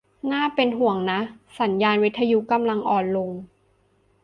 น่าเป็นห่วงนะ สัญญาณวิทยุกำลังอ่อนลง